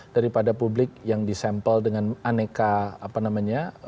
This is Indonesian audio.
daripada publik yang disampel dengan aneka apa namanya